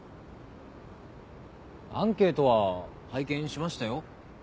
アンケートは拝見しましたよ。